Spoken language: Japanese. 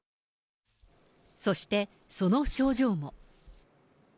そしてその症状も。